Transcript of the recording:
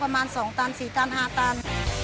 ประมาณ๒ตัน๔ตัน๕ตัน